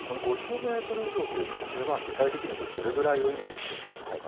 ５０メートル以上という風は具体的にいうとどれぐらいをイメージすればいいでしょうか。